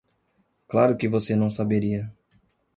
Claro que você não saberia!